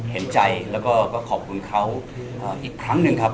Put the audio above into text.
เห็นใจแล้วก็ขอบคุณเขาอีกครั้งหนึ่งครับ